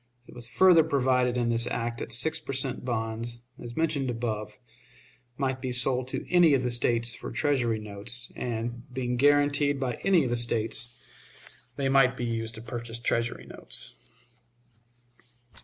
It was further provided in this act that six per cent. bonds, as above mentioned, might be sold to any of the States for Treasury notes, and, being guaranteed by any of the States, they might be used to purchase Treasury notes.